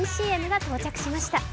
ＣＭが到着しました。